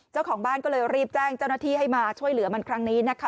เจ้าของบ้านก็เลยรีบแจ้งเจ้าหน้าที่ให้มาช่วยเหลือมันครั้งนี้นะคะ